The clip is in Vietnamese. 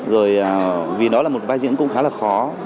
rồi đó là một vai diễn cũng khá là khó